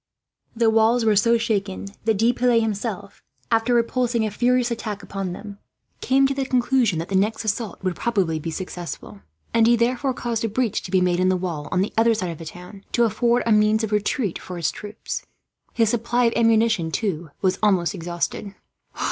The walls were so shaken that De Piles himself, after repulsing a furious attack upon them, came to the conclusion that the next assault would probably be successful; and he therefore caused a breach to be made in the wall on the other side of the town, to afford a means of retreat for his troops. His supply of ammunition, too, was almost exhausted.